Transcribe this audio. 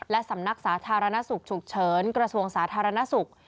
และสำนักสาธารณสุขฉุกเฉินกระทรวงสาธารณสุข